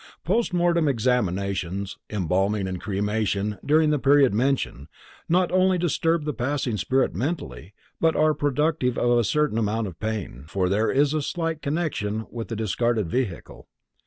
Post mortem examinations, embalming and cremation during the period mentioned, not only disturb the passing spirit mentally, but are productive of a certain amount of pain, for there is still a slight connection with the discarded vehicle.